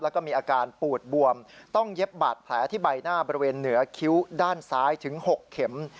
แล้วก็มีอาการปูดบวมต้องเย็บบาดแผลที่ใบหน้าบริเวณเหนือคิ้วด้านซ้ายถึง๖เข็ม